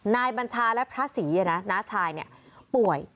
นายบัญชาและพระศรีนะน้าชายเนี่ยป่วย